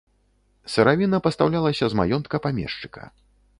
Сыравіна пастаўлялася з маёнтка памешчыка.